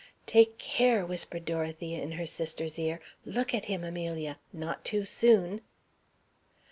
"Take care!" whispered Dorothea, in her sister's ear. "Look at him, Amelia! Not too soon."